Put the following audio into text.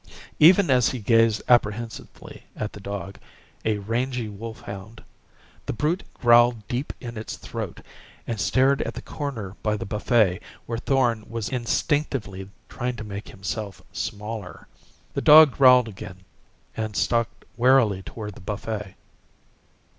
Even as he gazed apprehensively at the dog a rangy wolfhound the brute growled deep in its throat and stared at the corner by the buffet where Thorn was instinctively trying to make himself smaller. The dog growled again, and stalked warily toward the buffet.